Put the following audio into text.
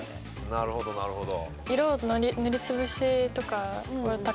なるほどなるほど。